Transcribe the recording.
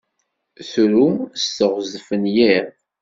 Tru s teɣzef n yiḍ.